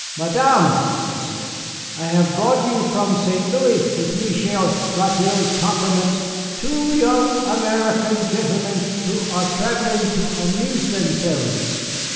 "Madame," he said, "I have brought you from St. Louis with Michié Gratiot's compliments two young American gentlemen, who are travelling to amuse themselves."